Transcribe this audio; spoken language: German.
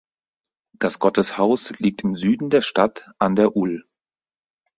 Das Gotteshaus liegt im Süden der Stadt an der ul.